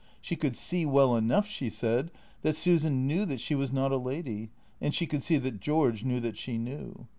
She could see well enough, she said, that Susan knew that she was not a lady, and she could see that George knew that she knew.